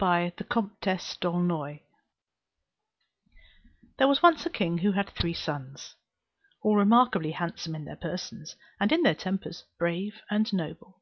CHAPTER VIII THE WHITE CAT There was once a king who had three sons, all remarkably handsome in their persons, and in their tempers brave and noble.